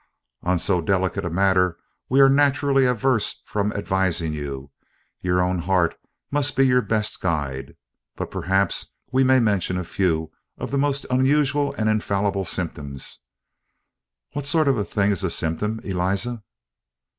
On so delicate a matter we are naturally averse from advising you; your own heart must be your best guide. But perhaps we may mention a few of the most usual and infallible symptoms' What sort of a thing is a symptim, Eliza?"